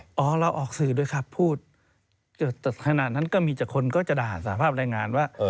อ๋อไม่ไม่เราออกสื่อด้วยครับพูดถ้าซีลปิกตอนนั้นมีคนจะด่าสภาพแรงงานว่า